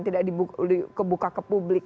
tidak dibuka ke publik